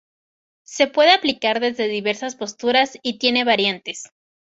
Se puede aplicar desde diversas posturas y tiene variantes.